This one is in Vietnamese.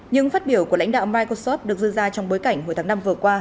những phát biểu của lãnh đạo microsoft được dư ra trong bối cảnh hồi tháng năm vừa qua